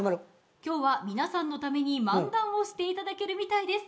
今日は皆さんのために漫談をしていただけるみたいです。